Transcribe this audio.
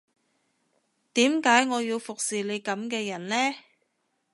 點解我要服侍你噉嘅人呢